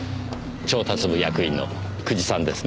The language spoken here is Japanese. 調達部役員の久慈さんですね。